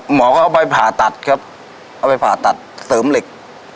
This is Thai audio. หมอก็เอาไปผ่าตัดครับเอาไปผ่าตัดเสริมเหล็ก